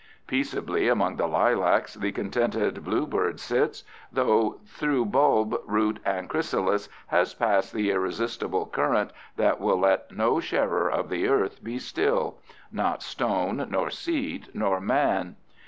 Peaceably among the lilacs the contented bluebird sits, though through bulb, root, and chrysalis has passed the irresistible current that will let no sharer of the earth be still—not stone nor seed nor man.